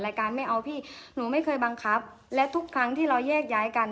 ไม่เอาพี่หนูไม่เคยบังคับและทุกครั้งที่เราแยกย้ายกัน